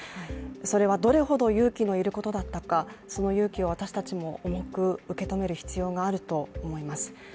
それはどれほど勇気のいることだったか、その勇気を私たちも重く受け止める必要があると思います。